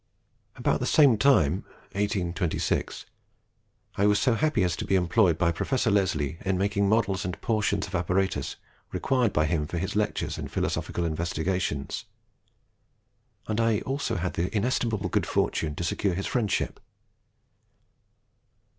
About the same time (1826) I was so happy as to be employed by Professor Leslie in making models and portions of apparatus required by him for his lectures and philosophical investigations, and I had also the inestimable good fortune to secure his friendship.